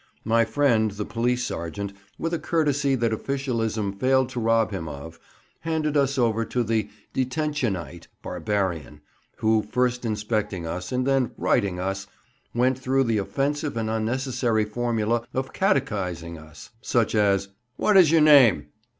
My friend, the police sergeant, with a courtesy that officialism failed to rob him of, handed us over to the "Detentionite" barbarian, who, first inspecting us, and then "righting" us, went through the offensive and unnecessary formula of catechizing us—such as "What is your name?"